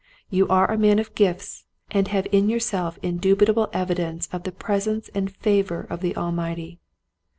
You are a man of gifts, and have in yourself indubi table evidence of the presence and favor of the Almighty.